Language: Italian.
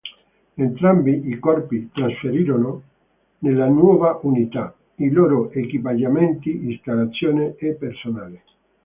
Entrambi i corpi trasferirono nella nuova unità i loro equipaggiamenti, installazioni e personale.